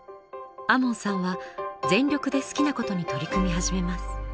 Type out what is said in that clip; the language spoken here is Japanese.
亞門さんは全力で好きなことに取り組み始めます。